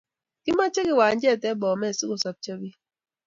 Kimache kiwanjet en Bomet si ko sabcho pik